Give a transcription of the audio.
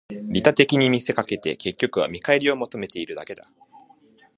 利他的に見せかけて、結局は見返りを求めているだけだ